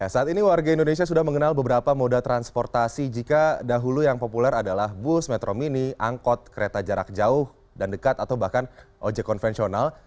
saat ini warga indonesia sudah mengenal beberapa moda transportasi jika dahulu yang populer adalah bus metro mini angkot kereta jarak jauh dan dekat atau bahkan ojek konvensional